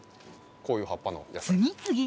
こういう葉っぱのやつ。